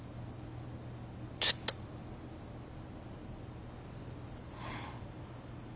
ずっと。え？